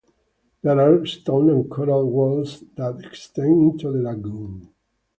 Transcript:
There are stone and coral walls that extend into the lagoon.